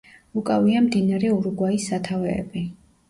უკავია მდინარე ურუგვაის სათავეები.